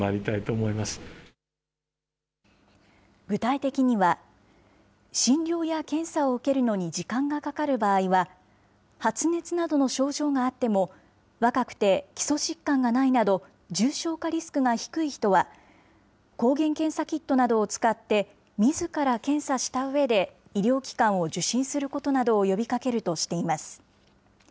具体的には、診療や検査を受けるのに時間がかかる場合は、発熱などの症状があっても、若くて基礎疾患がないなど、重症化リスクが低い人は、抗原検査キットなどを使ってみずから検査したうえで、医療機関を受診することなどを呼びかけるとしています。